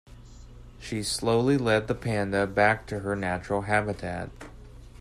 She slowly led the panda back to her natural habitat.